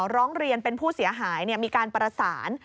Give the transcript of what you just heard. ร้องเรียนเป็นผู้เสียหายมีการประสาน